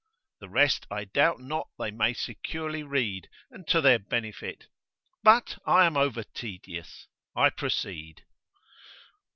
The rest I doubt not they may securely read, and to their benefit. But I am over tedious, I proceed.